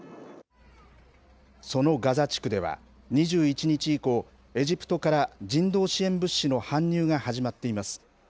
そのガザ地区では、２１日以降、エジプトから人道支援物資の搬入が始まっています。